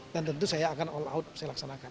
tentu saya akan all out saya laksanakan